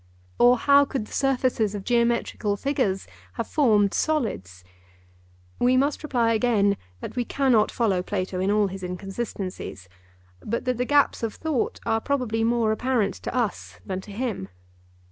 Or, how could the surfaces of geometrical figures have formed solids? We must reply again that we cannot follow Plato in all his inconsistencies, but that the gaps of thought are probably more apparent to us than to him.